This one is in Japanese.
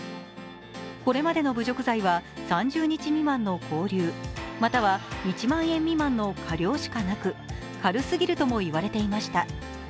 これまでの侮辱罪は３０日未満の拘留、または１万円未満の科料しかなく軽すぎるともいわれていました。